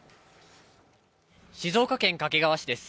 静岡県掛川市です。